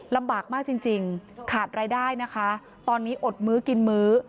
ลำบากมากจริงขาดรายได้นะคะตอนนี้อดมื้อกินมื้อ